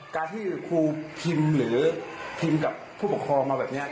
การที่ครูพิมพ์หรือพิมพ์กับผู้ปกครองมาแบบนี้